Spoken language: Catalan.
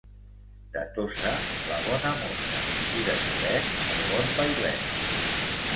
De Tossa, la bona mossa i de Lloret, el bon vailet.